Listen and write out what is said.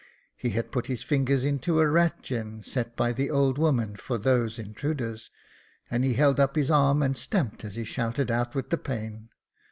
He had put his fingers into a rat gin, set by the old woman for those intruders, and he held up his arm and stamped as he shouted out with the pain.